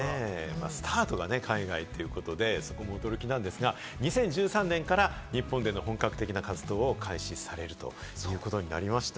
スタートが海外というところで、そこも驚きなんですが、２０１３年から日本での本格的な活動を開始されると、そういうことになりました。